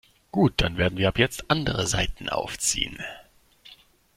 Gut, dann werden wir ab jetzt andere Saiten aufziehen.